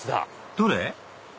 どれ？